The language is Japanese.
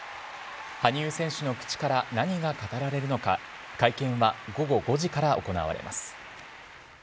羽生選手の口から何が語られるのか、会見は午後５時から行われます。